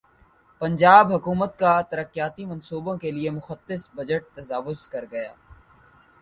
پنجاب حکومت کا ترقیاتی منصوبوں کیلئےمختص بجٹ تجاوزکرگیا